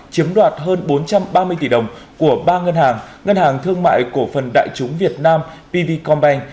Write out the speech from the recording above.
chiếm đoạt hơn bốn trăm ba mươi tỷ đồng của ba ngân hàng ngân hàng thương mại cổ phần đại chúng việt nam pv combine